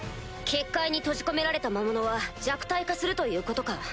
結界に閉じ込められた魔物は弱体化するということか？